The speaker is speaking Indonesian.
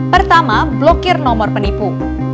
pertama blokir nomor penipu